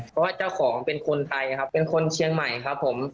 เพราะว่าเจ้าของเป็นคนไทยครับเป็นคนเชียงใหม่ครับผม